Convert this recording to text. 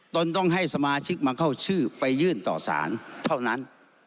ตนต้องให้สมาชิกมาเข้าชื่อไปยื่นต่อสารเท่านั้น